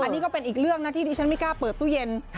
นี่ก็เป็นอีกเรื่องนะที่ที่ฉันไม่กล้าเปิดตู้เย็น